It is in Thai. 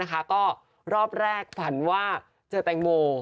ก็รอบแรกฝันว่าเจอแตงโม